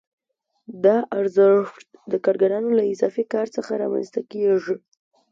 دا ارزښت د کارګرانو له اضافي کار څخه رامنځته کېږي